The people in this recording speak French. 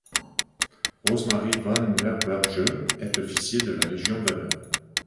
Rose-Marie van Lerberghe est officier de la Légion d’honneur.